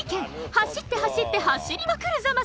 走って走って走りまくるザマス！